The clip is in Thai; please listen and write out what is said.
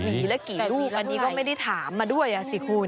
มีละกี่ลูกอันนี้ก็ไม่ได้ถามมาด้วยสิคุณ